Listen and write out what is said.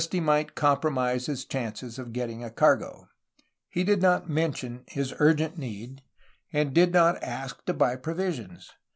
THE ROMANTIC PERIOD, 1782 1810 413 might compromise his chances of getting a cargo. He did not mention his urgent need, and did not ask to buy provisions.